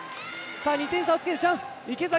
２点差をつけるチャンス。